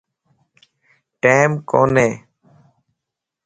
ٽيم ڪوني